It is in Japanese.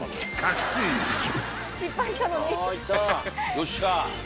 よっしゃ。